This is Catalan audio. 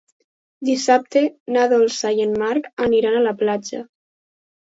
Dissabte na Dolça i en Marc aniran a la platja.